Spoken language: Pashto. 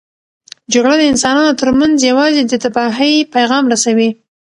جګړه د انسانانو ترمنځ یوازې د تباهۍ پیغام رسوي.